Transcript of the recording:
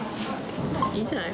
いいんじゃない？